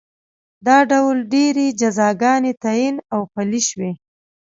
دا ډول ډېرې جزاګانې تعین او پلې شوې.